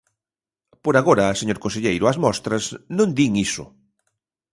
Por agora, señor conselleiro, as mostras non din iso.